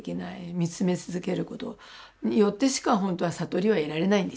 見つめ続けることによってしかほんとは悟りは得られないんですよね